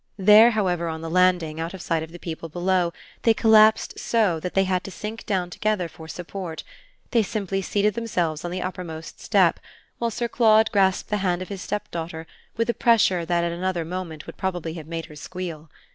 There, however, on the landing, out of sight of the people below, they collapsed so that they had to sink down together for support: they simply seated themselves on the uppermost step while Sir Claude grasped the hand of his stepdaughter with a pressure that at another moment would probably have made her squeal.